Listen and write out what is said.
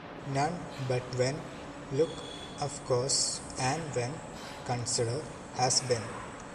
none, but when, look, of course, and when, consider, has been